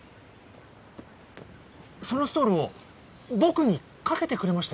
そのストールを僕にかけてくれましたよね？